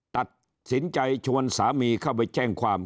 ตัดสินใจชวนสามีเข้าไปแจ้งความ